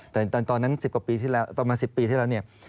แต่ตอนนั้นประมาณ๑๐ปีที่แล้ว